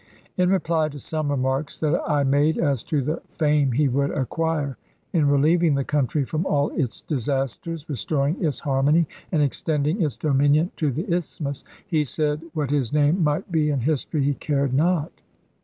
" In reply to some remarks that I made as to the fame he would acquire in relieving the country from all its disasters, restoring its harmony, and extending its dominion to the Isthmus, he said what his name might be in history he cared not.